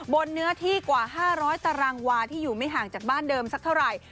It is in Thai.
เนื้อที่กว่า๕๐๐ตารางวาที่อยู่ไม่ห่างจากบ้านเดิมสักเท่าไหร่